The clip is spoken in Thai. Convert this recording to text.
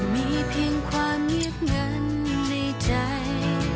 มีเพียงความเงียบเงินในใจ